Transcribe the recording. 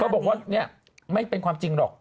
บอกว่าเนี่ยไม่เป็นความจริงหรอก